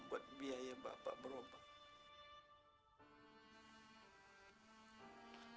buat biaya bapak berubah